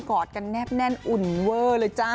อดกันแนบแน่นอุ่นเวอร์เลยจ้า